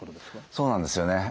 そうなんですよね。